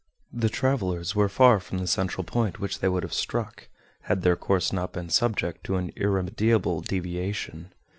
The travelers were far from the central point which they would have struck, had their course not been subject to an irremediable deviation.